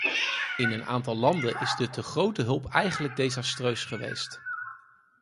In een aantal landen is de te grote hulp eigenlijk desastreus geweest.